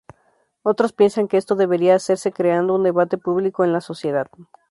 Otros piensan que esto debería hacerse creando un debate público en la sociedad.